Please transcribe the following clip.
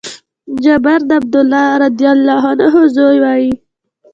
جابر د عبدالله رضي الله عنه زوی وايي :